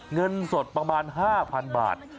เงินสดประมาณ๕๐๐๐บาท